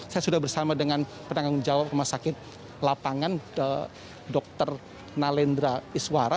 saya sudah bersama dengan penanggung jawab rumah sakit lapangan dr nalendra iswara